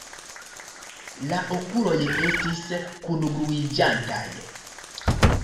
La okuloj estis kungluiĝantaj.